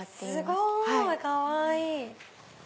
すごい！かわいい！